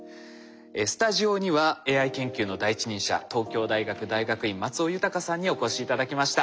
スタジオにはＡＩ研究の第一人者東京大学大学院松尾豊さんにお越し頂きました。